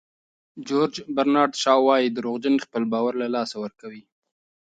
جیورج برنارد شاو وایي دروغجن خپل باور له لاسه ورکوي.